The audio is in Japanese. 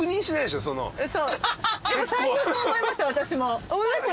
最初そう思いました私も。